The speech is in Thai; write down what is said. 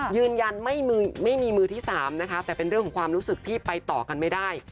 ยืนยันไม่มีมือที่๓นะคะแต่เป็นเรื่องของความรู้สึกที่ไปต่อกันไม่ได้